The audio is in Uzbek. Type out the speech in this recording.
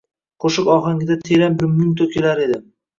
qoʼshiq ohangida teran bir mung toʼkilar edi…